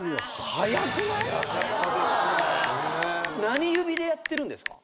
何指でやってるんですか？